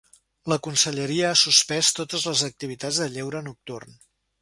La conselleria ha suspès totes les activitats de lleure nocturn.